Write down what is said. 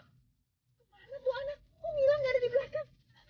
gimana tuh anak kok ngilang nggak ada di belakang